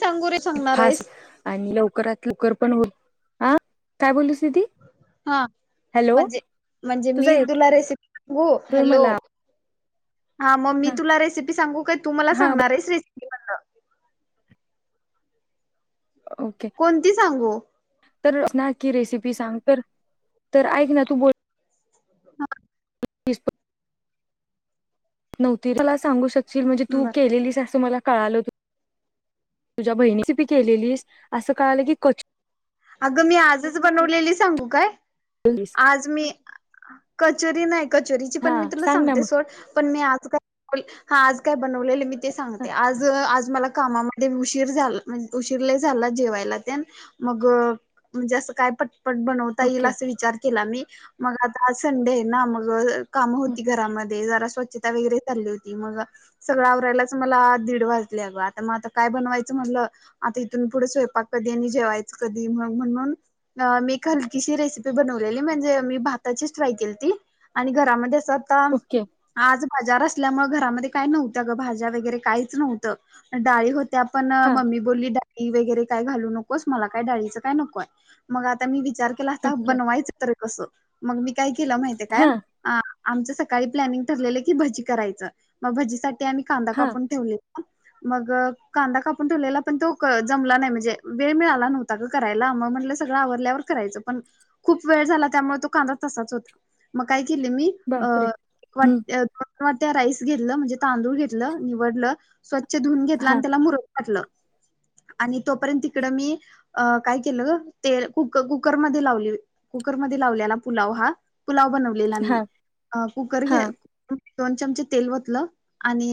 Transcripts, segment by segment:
सांगू रे. सांगणार फास्ट आहेस आणि लवकरात लवकर पण हो [unintelligible] आ. काय बोललीस दीदी? हा. म्हणजे, म्हणजे तुझा मी येतोय तुला रेसिपी सांगू? हॅलो. मला हा, मग मी तुला, रेसिपी सांगू, काय? तू मला हा, सांगणार आहेस. Race okay. कोणती सांगू? तर ना की, रेसिपी सांग तर. तर ऐक ना, तू बोल हा. नव्हती. मला सांगू शकशील? म्हणजे तू बर केलेलीस. असं, मला कळालं. त तुझ्या बहिणीची बी केलेलीसं. असं कळालं की, कचो अगं, मी आजचं बनवलेली. सांगू काय? लीस? आज मी, कचोरी नाही. कचोरीची हा पण मी तुला सांग ना सांगते, मग सोडं. पण मी, आज काय हा, आज काय बनवलेले, मी ते हा, सांगते. आज, आज मला कामा मध्ये उशीर झाल. म्हणं उशीर लई झाला. जेवायला तेन. मग का ग असं, काय पटपट बनवता येईल. ओके असं, विचार केला मी. मग आता, आज संडे ना. मग काम हं, होती घरामध्ये. जरा स्वच्छ त्या वगैरे चालली होती मगा सगळं आवरायलाच मला दीड वाजले अगं आता म आता काय बनवायचं म्हणलं आता इथून पुढे स्वयंपाक कधी आणि जेवायचं कधी मग म्हणून अ मी एक हलकीशी रेसिपी बनवलेली म्हणजे मी भाताचीच ट्राय केलंती. आणि घरामध्येचं सता ओके आज बाजार असल्यामुळे घरामध्ये काय नव्हत्या अग भाज्या वगैरे काहीच नव्हतं डाळी होत त्या पण हा मम्मी बोलली डाळी वगैरे काय घालू नकोस. मला काय डाळीचं काय नको हाय मग आता मी विचार केला आता ओके बनवायचं तर कस मग मी काय केला माहितं ये काय? हा आ आमचं सकाळी प्लॅनिंग ठरलेलं की भजी करायचं म भजीसाठी आम्ही कांदा हा कापून ठेवले मग कांदा कापून ठेवलेला पण तो कं जमला नाय म्हणजे वेळ मिळाला प्लॅन होता ग करायला म म्हटलं सगळं आवरल्यावर करायचं पण खूप वेळ झाला त्यामुळ तो कांदा तसाचं होता म काय केले मी अ बापरे एक वाट हम्म दोन वाट्या राईस घेतलं म्हणजे तांदूळ घेतलं निवडलं. स्वच्छ धुऊून घेतला हा आणि त्याला मुरगाटलं आणि तोपर्यंत तिकड मी अ काय केलं ग ते कु कुकरमध्ये लावली. कुकरमध्ये लावलेला पुलाव हा पुलाव बनव लेला मी हा अ कुकर घे हा दोन चमचे तेल वतलं आणि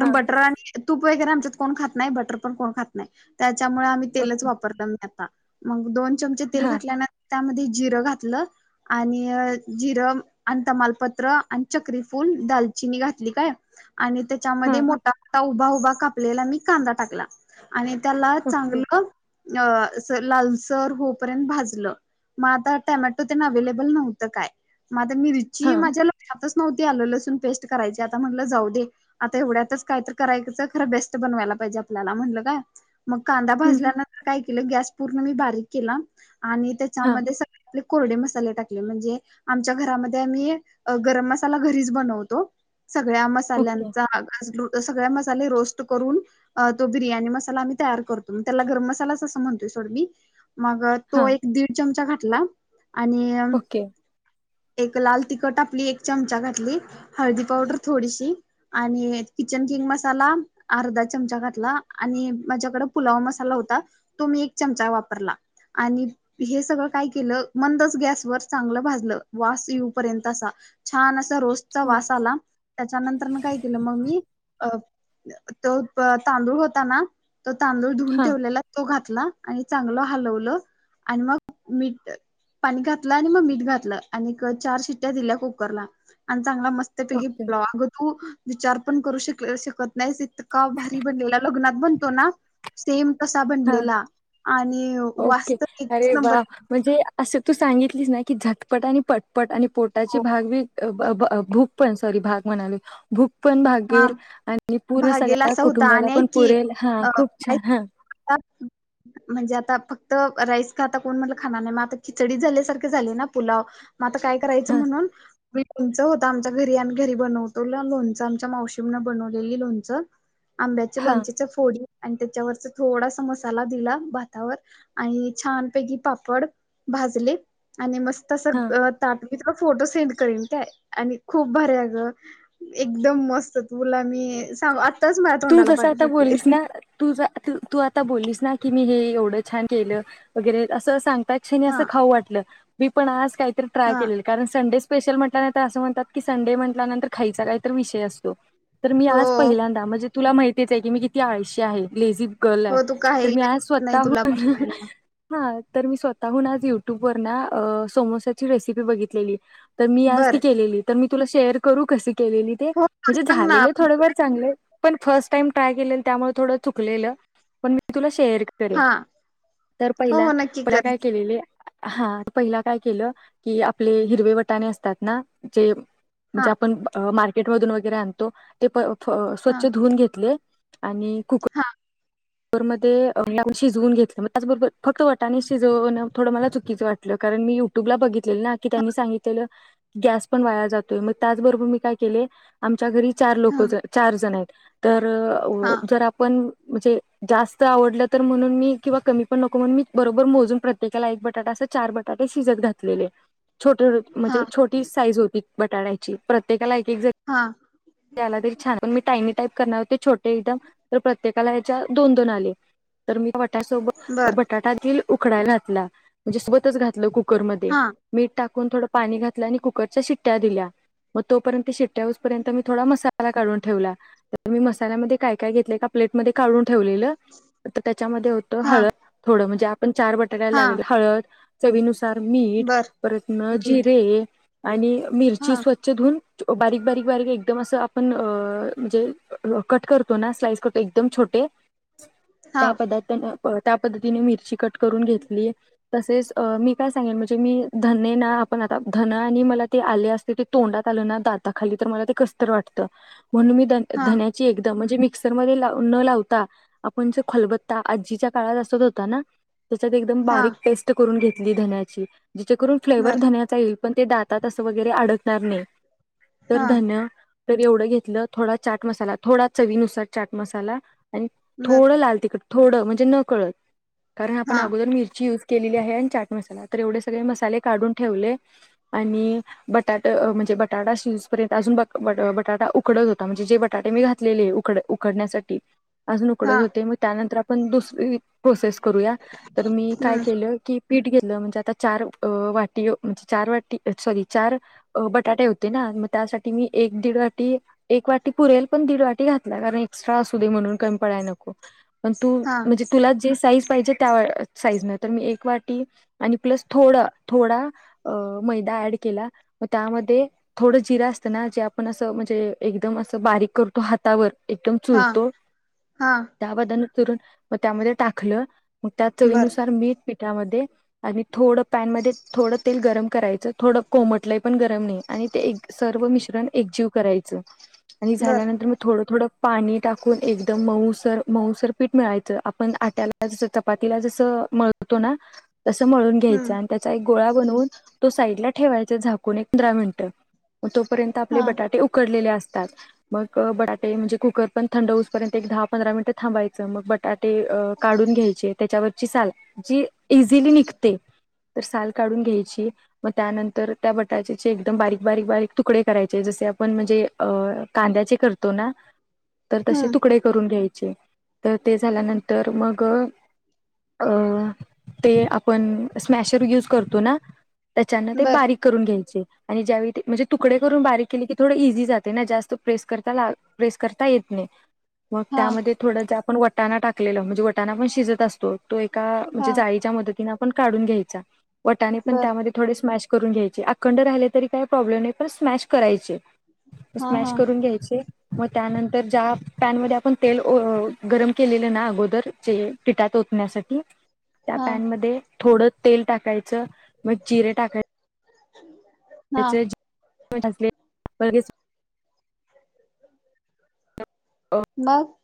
हा बटर आणि तूप वगैरे आमच्यात कोण खात नाय बटर पण कोण खात नाय त्याच्यामुळे आम्ही तेलच ओके वापर परतान आता मग दोन चमचे तेल हा घातल्यानंत त्यामध्ये जिरं घातलं. आणि जिरं आणि तमालपत्र आणि चक्री फूल दालचिनी घातली काय आणि हा त्याच्यामध्ये मोठा मोठा उभा उभा कापलेला मी कांदा टाकला. आणि त्याला ओके चांगलं अ अस लालसर होपर्यंत भाजलं. म आता टॅमॅटो तेनं अव्हेलेबल नव्हतं काय म आता हा मिरिची माझ्या ल क्षात नव्हती आलं लसून पेस्ट करायची आता म्हणलं जाऊ दे. आता एवढ्यातच काय तर करायचं खरं बेस्ट बनवायला पाहिजे आपल्याला म्हणलं काय मग कांदा हम्म भाजल्यानंतर काय केलं गॅस पूर्ण मी बारीक केला आणि हा त्याच्यामध्ये सग आपले कोरडे मसाले टाकले म्हणजे आमच्या घरामध्ये आम्ही गरम मसाला घरीच बनवतो सगळ्या म ओके. साल्यांचा घास घेऊन त सगळे मसाले रोस्ट करून तो बिर्याणी मसाला आम्ही तयार करतो त्याला गरम म सलाच म्हणतोय सोड मी मग तो हां. एक दीड चमचा घातला आणि ओके. एक लाल तिखट आपली एक चमचा घातली. हळदी पावडर थोडीशी आणि किचन किंग मसाला अर्धा चमचा घातला आणि माझ्याकड पुलाव मसाला होता तो मी एक चमचा वापरला. आणि हे सगळं काय केलं मंदच गॅसवर चांगलं भाजलं वास येऊपर्यंत असा छान असां रोस्ट चा हां. वास आला त्याच्यानंतर म काय केलं म मी अ तो तांदूळ होता ना तो तांदूळ धुवून हां. ठेवलेला तो घातला आणि चांगलं हलवलं आणि मग मीठ पाणी घातलं आणि म मीठ घातलं आणि क चार शिट्टया दिल्या कुकरला आणि चांगला मस्त पैकी ओके. ब्लग तू विचार पण करू श शकत नाहीस इतका भारी बनलेला लग्नात बनतो ना सेम तस ता हां. बनलेला आणि ओके. वास तर अरे एकचं वाह! नंबर म्हणजे असं तू सांगितलीस ना की झटपट आणि पटपट आणि पोटाची भाग बी भूक पण सॉरी भाग म्हणाली. भूक पण हा भागेल आणि पूर्ण भागेला सगळ्या असा होता कुटुंबाला आणि पण पुरेल हा खूप छान हा. अच्छा [inaudible] म्हणजे आता फक्त राईस का आता कोण म्हणलं खाणार नाही मग आता खिचडीत झाल्यासारखे झाले ना पुलाव. म आता काय करायचं हां, म्हणून लोणचं होतं आमच्या घरी आणि घरी बनवतो लोणचं आम मावशीने बनवलेले लोणचं आंब्याच्या हां, लोणच्याच्या फोडी आणि त्याच्यावरच थोडासा मसाला दिला भातावर. आणि छानपैकी पापड भाजले आणि मस्त तस हां. ता मी तुला फोटो सेंड करीन काय आणि खूप भारी हाय अगं एक एकदम मस्त हो तुला मी सांगव तू जस आता बोललीस ना. तू तू आता बोललीस ना की मी हे एवढं छान केलं वगैरे असं सांगतात. [unintelligible] अस हा खाऊ वाटलं मी पण आज काहीतरी ट्राय हा केलेल. कारण संडे स्पेशल म्हटल्यानंतर असं म्हणतात की संडे म्हटल्यानंतर खायचा काहीत विषय असतो. तर मी आज हो पहिल्यांदा म्हणजे तुला माहितीच आहे की मी किती आळशी आहे लेझी गर्ल आहे हो तू तर काही मी आज लागत नाही तुला स्वतःहून पण हा तर मी स्वतःहून आज युट्यूबवर ना समोसाची रेसिपी बघितलेली. तर मी आज बर ती केलेली तर मी तुला शेअर करू कशी केलेली ते हो हो म्हणजे सांग ना झालेले आप थोडेफार चांगले. पण फर्स्ट टाइम ट्राय केले त्यामुळे थोडं चुकलेलं पण मी तुला शेअर कडे हा तर हो पहिला हो नक्की पला कर काय केलेले हा पहिला काय केलं की आपले हिरवे वटाणे असतात ना ते हा म्हणजे आपण मार्केट मधून वगैरे आणतो ते प हा स्वच्छ धुवून घेतले. आणि कुक हा कुक्कर मध्ये शिजवून घेतलं मग त्याचबरोबर फक्त वटाने शिजवण थोडं मला चुकीच वाटतं. कारण मी युट्यूबला बघितलेलं ना की त्यांनी सांगितलेलं गॅस पण वाया जातोय मग त्याचबरोबर मी काय केलेय आमच्या घरी चार हा लोक चार जण आहेत तर हा जर आपण म्हणजे जास्त आवडलं तर म्हणून मी किंवा कमी पण नको म्हणून मी बरोबर मोजून प्रत काला एक बटाटा अस चार बटाटे शिजत घातलेले. छोटे हा म्हणजे छोटी साईज होती बटाट्यांची प्रत्येकाला एक एक हां त्याला तरी छ पण मी टाई करणारते छोटे एकदम तर प्रत्येकाला ह्याचे दोन दोन आले तर मी त्यासोबत बर बटाटातील उकडाय घातला म्हणजे सोबतच घातलं कुकरमध्ये. हा मीठ टाकून थोडं पाणी घातलं आणि कुकरच्या शिट्ट्या दिल्या मग तोपर्यंत शिट्ट्या तेहुसपर्यंत मी थोडा मसाला काढून ठेवला. तर मी मसाल्यामध्ये काय काय घेतले का प्लेटमध्ये काढून ठेवलेलं तर त्याच्यामध्ये होतं हा हळद थोडं म्हणजे आपण चार बटाट्याला हा लागल हळद चवीनुसार मीठ बर परत न मीठ जिरे आणि हा मिरची स्वच्छ धुवून बारीक बारीक बारीक एकदम असं आपण अ म्हणजे कट करतो ना स्लाइस करतो एकदम छोटे हा त्या पदार्थन त्या पद्धतीने मिरची कट करून घेतली तसेच मी काय सांगेन म्हणजे मी धन ना आपण आता धन आणि मला ते आले असल की तोंडात आल ना दाताखाली तर मला ते कस तर वाटत म्हणून मी धन हा धन्या ची एकदम म्हणजे मिक्सरमध्ये न लावता. आपण ज खलबत्ता आजीच्या काळात असत होता ना. त्याच्यात एकदम हा बारीक पेस्ट करून घेतली धन्याची जिचेकरून फ्लेवर बर धन्याचा येईल. पण ते दातात अस वगैरे अडकणार नाही तर हा धन्य तर एवढं घेतलं थोडा चाट मसाला थोडा चवीनुसार चाट मसाला आणि बर थोडं लाल तिखट. थोडं म्हणजे न कळत कारण आपण हा अगोदर मिरची युज केलेली आहे आणि चाट मसाला तर एवढे सगळे मसाले काढून ठेवले आणि बटाट म्हणजे बटाटा शिजपर्यंत अजून ब बटाटा उकडत हो म्हणजे जे बटाटे मी घातलेले उकडण्यासाठी अजून हा उकडत होते मग त्यानंतर आप पण दुसरी प्रोसेस करूया तर मी काय हम्म केलं की पीठ घेतलं म्हणजे आता चार वाटी म्हणजे चार वाटी सॉरी चार अ बटाटे होते ना मग त्यासाठी मी एक दीड वाटी एक वाटी पुरेल पण दीड वाटी घातला कारण एक्स्ट्रा असू दे म्हणून कमी पडायला नको. पण तू हा म्हणजे तुला जे साईज पाहिजे त्या साईज न तर मी एक वाटी. आणि प्लस थोडं थोडा. अ मैदा ऍड केला. मग त्यामध्ये थोडं जिर असतं ना जे आपण असं म्हणजे. एकदम असं बारीक करतो हातावर. एकदम हा चुरतो. हा त्या वादान चरून मग त्यामध्ये टाकलं मग त्या बर चवीनुसार मीठ पीठ त्यामध्ये आणी थोडं पॅनमध्ये थोडं तेल गरम करायचं थोडं कोमटलय पण गरम नाही आणि ते एक सर्व मिश्रण एकजीव करायचं आणि बर झाल्यानंतर मी थोडं थोडं पाणी टाकून एकदम मऊसर मऊसर पीठ मिळायचं आपण आट्याला जस चपातीला जसं मळतो ना. तसं मळून घ्यायचं हम्म आणि त्याचा एक गोळा बनवून तो साईड ला ठेवायचा झाकून एक पंधरा मिनिटं. तोपर्यंत आपले हा बटाटे उकडलेले असतात. मग बटाटे म्हणजे कुकर पण थंड होऊ पर्यंत एक दहा पंधरा मिनिटं थांबायचं मग बटाटे. ते काढून घ्यायचे त्याच्यावरची साल जी इझीली निघते. तर साल काढून घ्यायची. मग त्यानंतर त्या बटाट्याचे एकदम बारीक-बारीक-बारीक तुकडे करायचे जसे आपण म्हणजे. अ कांद्याचे करतो ना तर तसे हम्म तुकडे करून घ्यायचे. तर ते झाल्यानंतर मग. अ ते आपण स्मॅशर युज करतो ना. त्याच्यान ते बर बारीक करून घ्यायचे आणि ज्यावेळी ते म्हणजे हा तुकडे करून बारीक केले की थोडं इझी जात. ते ना जास्त प्रेस करता प्रेस करता येत नाही मग हा त्यामध्ये. थोडं जे आपण वटाणा टाकलेलं म्हणजे वटाणा पण शिजत असतो तो एका म्हणजे हा जाळीच्या मदतीने. काढून घ्यायचा वाटणे पण बर त्यामध्ये. थोडे स्मॅश करून घ्यायचे अखंड राहिले तरी काही प्रॉब्लेम नाही. पण स्मॅश करायचे. हा स्मॅश हा करून घ्यायचे. मग त्यानंतर ज्या पॅनमध्ये आपण तेल गरम केलेलं ना अगोदर जे. पिटात ओतण्यासाठी. त्या हा पॅन मध्ये थोडं तेल टाकायचं मग जिरे टाकायचं. [unintelligible] [unintelligible] मग.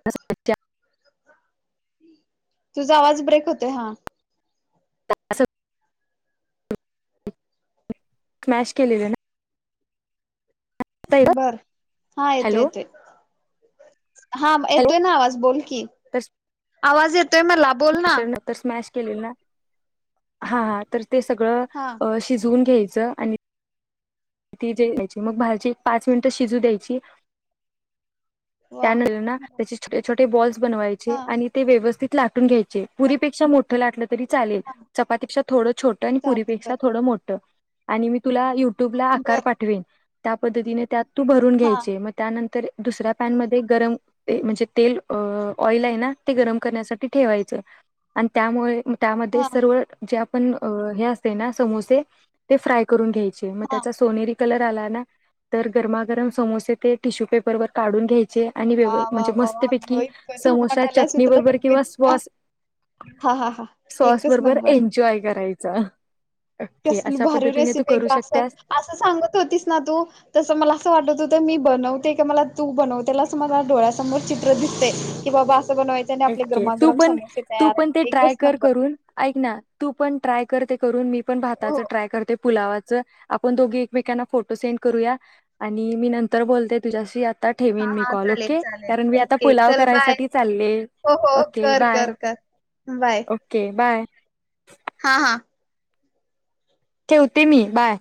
[unintelligible] तुझा आवाज ब्रेक होतोय. हा स्मॅश केलेल ना बर. हा येतोय, हॅलो येतोय हा हॅलो येतोय ना आवाज बोल की, आवाज येतोय मला बोल ना मेशर नं तर स्मॅश केलेलं ना हा, हा तर ते सगळं हा शिजवून घ्यायचं आणि ती चिरायची मग भाजी एक पाच मिनिटं शिजू द्यायची वा त्यानंतर ना त्याचे छोटे-छोटे बॉल्स बनवायचे हा आणि ते व्यवस्थित लाटून घ्यायचे हा पुरीपेक्षा मोठ मोठं लाटलं तरी चालेल हा चपातीपेक्षा थोडं छोट आणि चालतय बर पुरीपेक्षा थोडं मोठ आणि मी तुला युट्यूबला आकार बर पाठवेन त्या पद्धतीने त्यात तू भरून हा घ्यायचे मग त्यानंतर दुसऱ्या पॅन मध्ये गरम म्हणजे तेल ऑइल आहे ना ते गरम करण्यासाठी ठेवायचं आणि त्यामुळे त्यामध्ये हा सर्व जे आपण हे असते ना समोसे ते फ्राय करून घ्यायचे मग हा त्याचा सोनेरी कलर आला ना तर गरमागरम समोसे ते टिश्यू पेपर वर काढून घ्यायचे वा वा म्हणजे वा मस्त वा पैकी इतकं छान समोसा वाटायलास मी चटणी तुला बरोबर सांगू किंवा इतका सॉस हा हा हा सॉस एकच बरोबर नंबर एन्जॉय करायचा. ओके कसली अशा भारी पद्धतीने तू रेसिपी आहे करू की अस शकत्यास असं सांगत होतीस ना तू तसं मला असं वाटत होतं मी बनवते क मला तू बनवतेलाच मला डोळ्यासमोर चित्र दिसते. कि बाबा असं करायचं ओके तू पण तू पण ते ट्राय एकच कर नंबर करून- ऐक ना तू पण ट्राय कर ते करून मी पण हो भाताच ट्राय करते पुलावाचं, आपण दोघी एकमेकांना फोटो सेंड करूया आणि मी नंतर बोलते तुझ्याशी आता हा ठेविन मी हा कॉल चालेल ओके. चालेल कारण मी आता पुलाव करायसाठी चालले हो-हो ओके कर, बाय कर, कर बाय ओके, बाय. हा, हा ठेवते मी बाय.